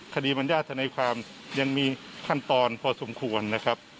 บรรยาทนายความยังมีขั้นตอนพอสมควรนะครับ